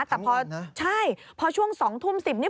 ทั้งวันนะใช่พอช่วง๒ทุ่ม๑๐นี่